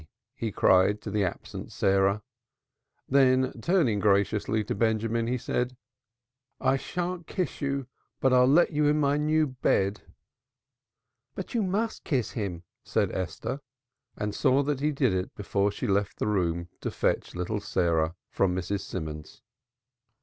he cried to the absent Sarah. Then turning graciously to Benjamin he said, "I thant kiss oo, but I'll lat oo teep in my new bed." "But you must kiss him," said Esther, and saw that he did it before she left the room to fetch little Sarah from Mrs. Simons.